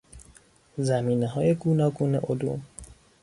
زمینه های گوناگون علوم